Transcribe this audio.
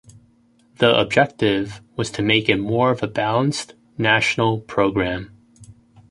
The objective was to make it more of a balanced, national programme.